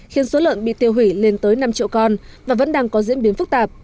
khiến số lợn bị tiêu hủy lên tới năm triệu con và vẫn đang có diễn biến phức tạp